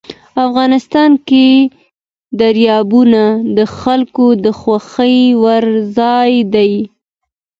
افغانستان کې دریابونه د خلکو د خوښې وړ ځای دی.